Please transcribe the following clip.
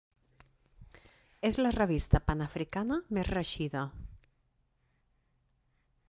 És la revista panafricana més reeixida.